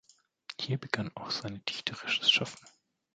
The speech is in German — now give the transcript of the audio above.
Hier begann auch sein dichterisches Schaffen.